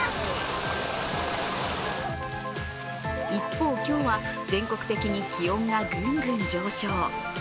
一方、今日は全国的に気温がぐんぐん上昇。